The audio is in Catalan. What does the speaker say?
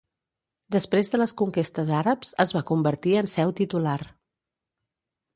Després de les conquestes àrabs es va convertir en seu titular.